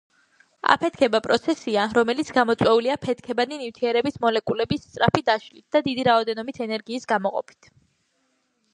აფეთქება პროცესია რომელიც გამოწვეულია ფეთქებადი ნივთიერების მოლეკულების სწრაფი დაშლით და დიდი რაოდენობით ენერგიის გამოყოფით